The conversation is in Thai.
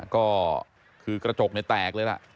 ก็คือกระจกแตกเลยล่ะ